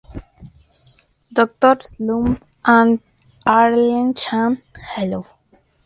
Dr. Slump and Arale-chan: Hello!